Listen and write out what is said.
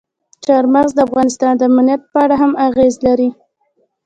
چار مغز د افغانستان د امنیت په اړه هم اغېز لري.